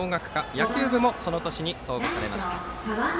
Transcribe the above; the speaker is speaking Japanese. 野球部もその年に創部されました。